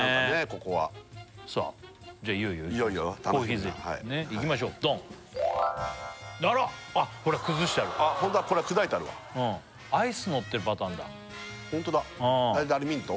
ここはさあじゃあいよいよコーヒーゼリーいきましょうドンあらっあっこれ崩してあるホントだこれ砕いてあるわアイスのってるパターンだホントだあれミント？